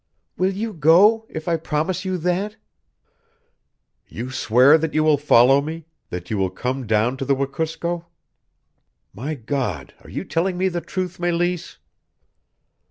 "Will you go if I promise you that?" "You swear that you will follow me that you will come down to the Wekusko? My God, are you telling me the truth, Meleese?"